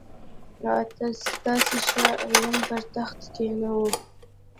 تاسي شاه عالم پر تخت کښېناوه.